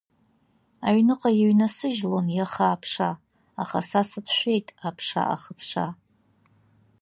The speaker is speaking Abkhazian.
Аҩныҟа иҩнасыжьлон иаха аԥша, аха са сацәшәеит аԥша ахыԥша.